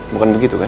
bukan begitu kan